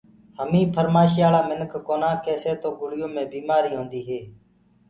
همينٚ ڦرمآشِيآݪآ منکِ ڪونآ ڪيسي تو گُݪيو مي بيٚمآريٚ هونٚديٚ هي